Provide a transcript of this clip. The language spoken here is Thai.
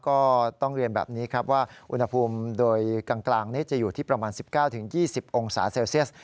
ก็ต้องเรียนแบบนี้ครับว่าอุณหภูมิโดยกลางนี้จะอยู่ที่ประมาณ๑๙๒๐องศาเซลเซียส